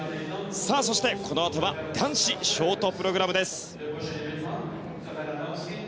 そして、このあとは男子ショートプログラムです。